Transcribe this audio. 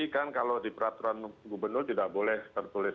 kan kalau di peraturan gubernur tidak boleh tertulis